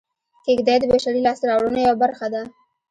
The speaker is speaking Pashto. کېږدۍ د بشري لاسته راوړنو یوه برخه ده